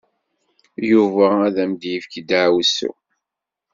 Yuba ad am-yefk ddeɛwessu.